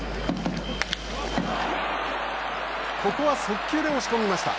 ここは速球で押し込みました。